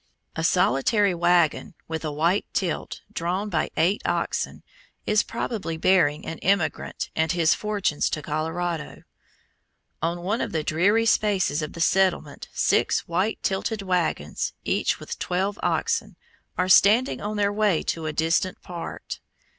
A solitary wagon, with a white tilt, drawn by eight oxen, is probably bearing an emigrant and his fortunes to Colorado. On one of the dreary spaces of the settlement six white tilted wagons, each with twelve oxen, are standing on their way to a distant part.